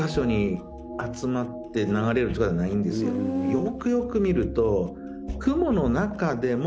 よくよく見ると。